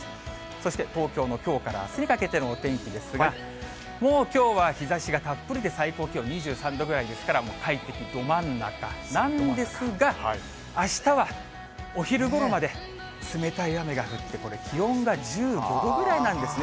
そして東京のきょうからあすにかけてのお天気ですが、もうきょうは日ざしがたっぷりで最高気温２３度ぐらいですから、もう快適ど真ん中なんですが、あしたはお昼ごろまで冷たい雨が降って、これ、気温が１５度ぐらいなんですね。